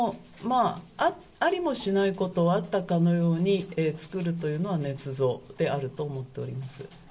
ありもしないことをあったかのように作るというのはねつ造であると思っております。